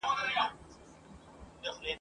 نه خرقه پوش نه پر منبر د پرهېز لاپي کوي !.